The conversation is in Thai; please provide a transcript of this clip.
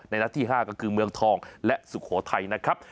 นัดที่๕ก็คือเมืองทองและสุโขทัยนะครับ